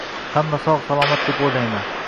Hamma sog' salomat deb o'ylayman.